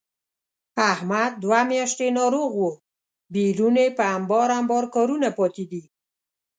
احمد دوه میاشتې ناروغه و، بېرون یې په امبار امبار کارونه پاتې دي.